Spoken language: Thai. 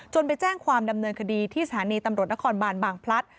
ไปแจ้งความดำเนินคดีที่สถานีตำรวจนครบานบางพลัด